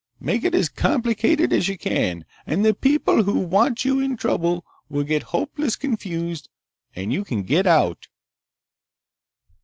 Make it as complicated as you can, and the people who want you in trouble will get hopeless confused and you can get out!"